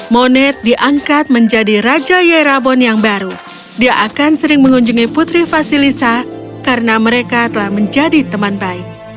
moned diangkat menjadi raja yerabon yang baru dia akan sering mengunjungi putri vasilisa karena mereka telah menjadi teman baik